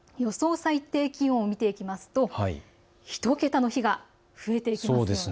最低気温を見ていきますと１桁の日が増えてきます。